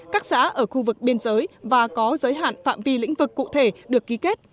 các xã ở khu vực biên giới và có giới hạn phạm vi lĩnh vực cụ thể được ký kết